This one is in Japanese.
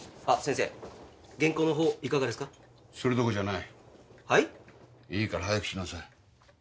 いいから早くしなさい。